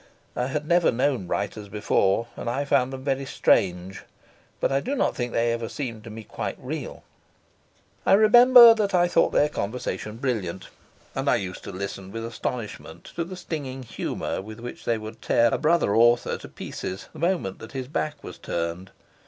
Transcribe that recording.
I had never known writers before, and I found them very strange, but I do not think they ever seemed to me quite real. I remember that I thought their conversation brilliant, and I used to listen with astonishment to the stinging humour with which they would tear a brother author to pieces the moment that his back was turned.